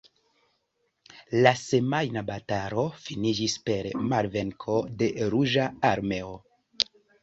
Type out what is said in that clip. La semajna batalo finiĝis per malvenko de Ruĝa Armeo.